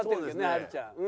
はるちゃん。